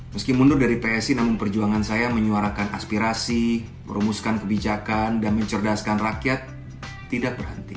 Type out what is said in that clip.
meski mundur dari psi namun perjuangan saya menyuarakan aspirasi merumuskan kebijakan dan mencerdaskan rakyat tidak berhenti